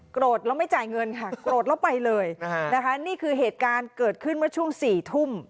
แล้วไม่จ่ายเงินค่ะโกรธแล้วไปเลยนะคะนี่คือเหตุการณ์เกิดขึ้นเมื่อช่วง๔ทุ่ม